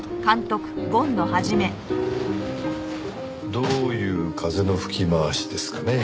どういう風の吹き回しですかねえ。